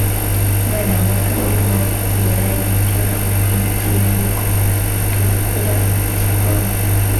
Umwana muto arimo gukurura ibiryo hamwe n'ikiyiko gitukura ku gikoni